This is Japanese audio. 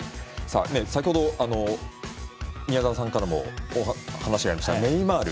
先ほど宮澤さんからも話がありましたネイマール。